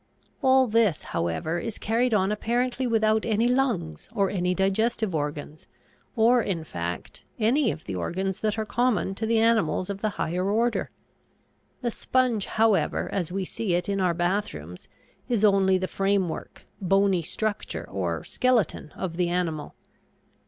All this, however, is carried on apparently without any lungs or any digestive organs, or in fact any of the organs that are common to the animals of the higher order. The sponge, however, as we see it in our bathrooms, is only the framework, bony structure, or skeleton of the animal.